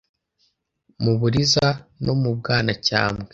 mu Buliza no mu Bwanacyambwe.